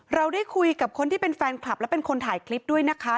เราได้คุยกับคนที่เป็นแฟนคลับและเป็นคนถ่ายคลิปด้วยนะคะ